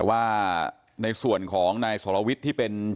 หลายคนสงสัยว่าเมาหรือเปล่า